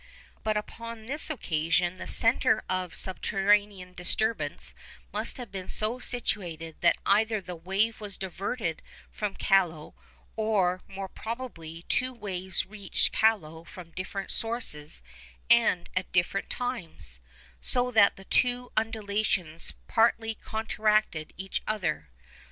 But upon this occasion the centre of subterranean disturbance must have been so situated that either the wave was diverted from Callao, or more probably two waves reached Callao from different sources and at different times, so that the two undulations partly counteracted each other.